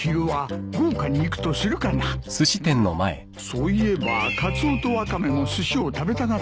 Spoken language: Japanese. そういえばカツオとワカメもすしを食べたがっていたな。